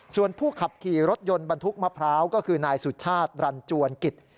ส่วนผู้ขับขี่รถยนต์บรรทุกมะพร้าวก็คือนายสุชาติรันจวนกิจ